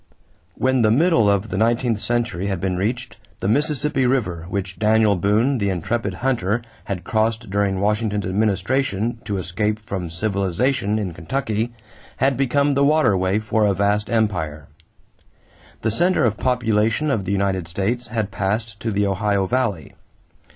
= When the middle of the nineteenth century had been reached, the Mississippi River, which Daniel Boone, the intrepid hunter, had crossed during Washington's administration "to escape from civilization" in Kentucky, had become the waterway for a vast empire. The center of population of the United States had passed to the Ohio Valley.